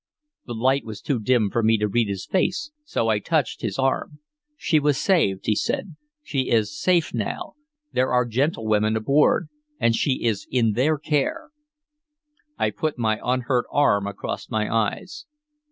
The light was too dim for me to read his face, so I touched his arm. "She was saved," he said. "She is safe now. There are gentlewomen aboard, and she is in their care." I put my unhurt arm across my eyes.